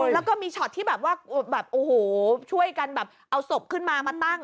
แล้วก็มีช็อตที่ช่วยกันเอาศพขึ้นมามาตั้ง